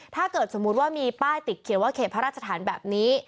ถ้าเกิดสมมุติว่ามีป้ายติดเขียนว่าเขตพระราชฐานแบบนี้